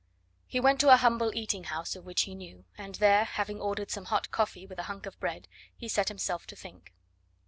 He went to a humble eating house of which he knew, and there, having ordered some hot coffee with a hunk of bread, he set himself to think.